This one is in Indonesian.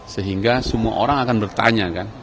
sehingga semua orang akan bertanya kan